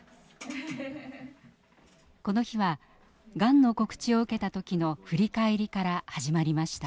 この日はがんの告知を受けた時の振り返りから始まりました。